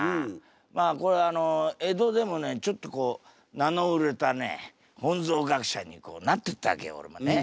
まあこれあの江戸でもねちょっとこう名の売れたね本草学者にこうなってったわけよおれもね。